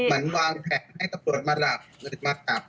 มันวางแผนให้ตรวจมารับมาจับ